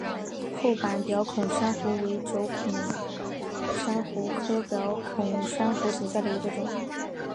厚板表孔珊瑚为轴孔珊瑚科表孔珊瑚属下的一个种。